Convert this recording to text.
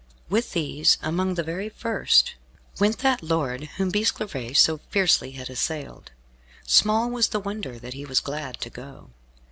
With these, amongst the very first, went that lord whom Bisclavaret so fiercely had assailed. Small was the wonder that he was glad to go.